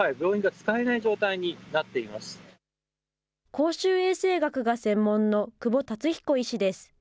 公衆衛生学が専門の久保達彦医師です。